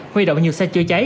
huy động nhiều xe chưa cháy